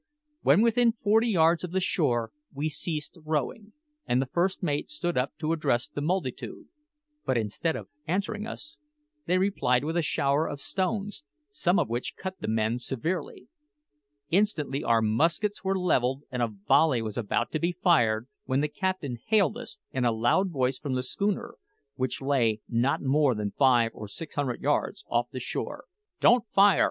When within forty yards of the shore we ceased rowing, and the first mate stood up to address the multitude; but instead of answering us, they replied with a shower of stones, some of which cut the men severely. Instantly our muskets were levelled, and a volley was about to be fired when the captain hailed us in a loud voice from the schooner, which lay not more than five or six hundred yards off the shore. "Don't fire!"